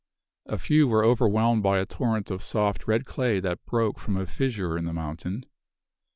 A few were overwhelmed by a torrent of soft, red clay that broke from a fissure in the mountain.